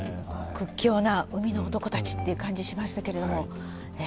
屈強な海の男たちという感じがしましたけれども。